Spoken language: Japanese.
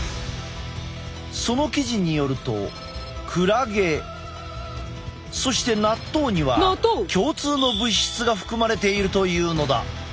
その記事によるとクラゲそして納豆には共通の物質が含まれているというのだ！